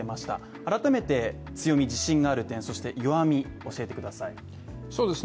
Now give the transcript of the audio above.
改めて、強み、自信がある点そして弱み、教えてください。